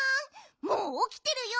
もうおきてるよ